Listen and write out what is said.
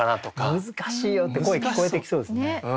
「難しいよ！」って声聞こえてきそうですよね。